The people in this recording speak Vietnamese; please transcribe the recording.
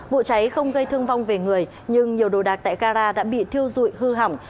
vụ cháy không gây thương vong về người nhưng nhiều đồ đạc tại gara đã bị thiêu dụi hư hỏng